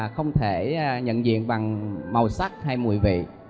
không thể nhận diện bằng màu sắc hay mùi vị